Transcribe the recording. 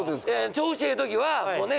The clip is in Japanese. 調子ええ時はもうね